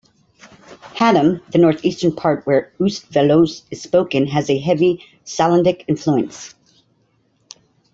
Hattem, the North Eastern part where Oost-Veluws is spoken has a heavy Sallandic influence.